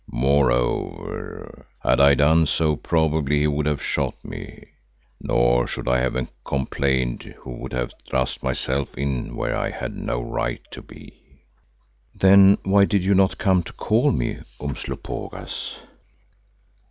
Moreover, had I done so, probably he would have shot me, nor should I have complained who would have thrust myself in where I had no right to be." "Then why did you not come to call me, Umslopogaas?"